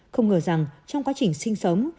không ngờ rằng trong quá trình sinh sống